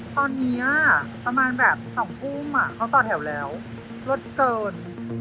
ตอนเนี้ยประมาณแบบสองกุ้งอ่ะเขาต่อแถวแล้วลดเกิน